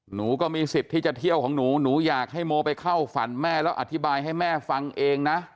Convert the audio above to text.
หนูก็มีสิทธิ์ที่จะเที่ยวของหนูหนูอยากให้โมไปเข้าฝันแม่แล้วอธิบายให้แม่ฟังเองนะ